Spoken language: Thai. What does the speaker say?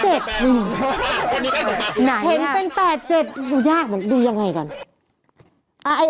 เห็นเป็น๘๗ยากดูยังไงกัน